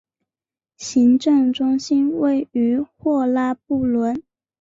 行政中心位于霍拉布伦。